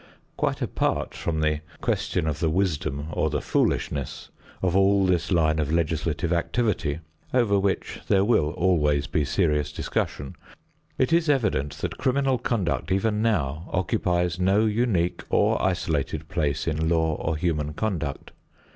Quite apart from the question of the wisdom or the foolishness of all this line of legislative activity, over which there will always be serious discussion, it is evident that criminal conduct even now occupies no unique or isolated place in law or human conduct.